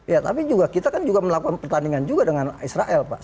ya tapi juga kita kan juga melakukan pertandingan juga dengan israel pak